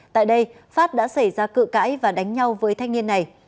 tại đây phát đã xảy ra cự cãi và đánh nhau với thanh niên này